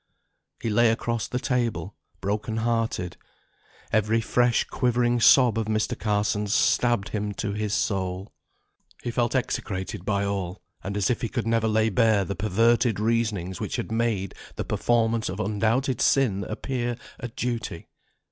He lay across the table, broken hearted. Every fresh quivering sob of Mr. Carson's stabbed him to his soul. He felt execrated by all; and as if he could never lay bare the perverted reasonings which had made the performance of undoubted sin appear a duty.